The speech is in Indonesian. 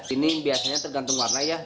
ini biasanya tergantung warna ya